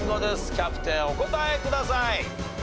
キャプテンお答えください。